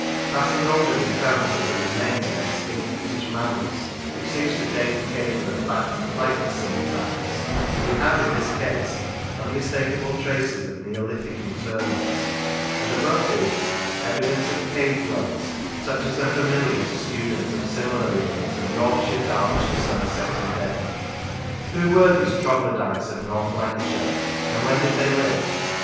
Passing over the occurrence of the remains of extinct British mammals, which seems to date the cave earth back to Pleistocene times, we have in this case unmistakable traces of Neolithic interments, and, above these, evidence of cave dwellers such as are Lancashire familiar to students of similar remains in Yorkshire, Derbyshire, Somerset and Devon. Who were these troglodytes of North Lancashire, and when did they live